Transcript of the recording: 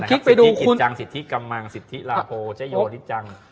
กิจจังสิทธิกำมังสิทธิลาโพใจโยธิจัง